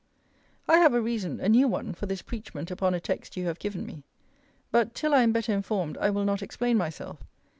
I have a reason, a new one, for this preachment upon a text you have given me. But, till I am better informed, I will not explain myself.